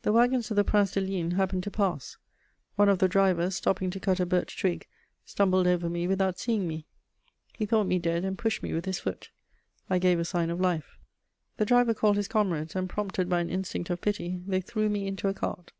The wagons of the Prince de Ligne happened to pass; one of the drivers, stopping to cut a birch twig, stumbled over me without seeing me: he thought me dead and pushed me with his foot; I gave a sign of life. The driver called his comrades and, prompted by an instinct of pity, they threw me into a cart.